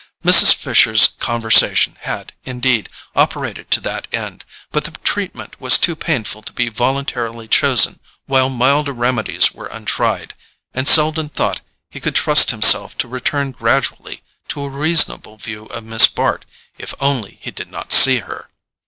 Mrs. Fisher's conversation had, indeed, operated to that end; but the treatment was too painful to be voluntarily chosen while milder remedies were untried; and Selden thought he could trust himself to return gradually to a reasonable view of Miss Bart, if only he did not see her.